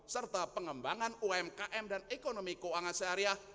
serta pengembangan umkm dan ekonomi keuangan syariah